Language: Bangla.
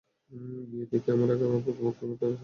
গিয়ে দেখি, আমার আগে আবু বকর তার নিকট পৌঁছে গেছেন।